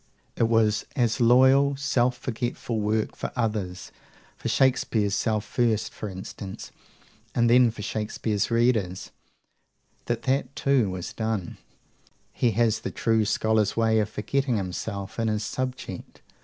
It was as loyal, self forgetful work for others, for Shakespeare's self first, for instance, and then for Shakespeare's readers, that that too was done: he has the true scholar's way of forgetting himself in his subject.